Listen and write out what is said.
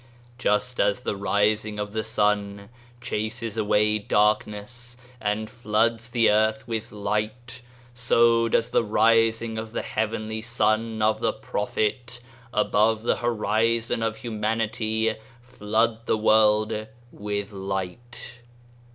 Just as the rising of the sun chases away darkness and floods the earth with light, so does the rising of the heavenly sun of the prophet above the horizon of humanity flood the world with light.